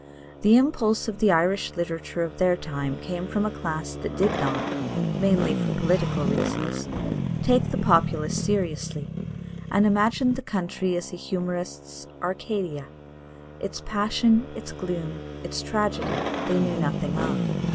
The impulse of the Irish literature of their time came from a class that did not mainly for political reasons take the populace seriously, and imagined the country as a humorist's Arcadia; its passion, its gloom, its tragedy, they knew nothing of.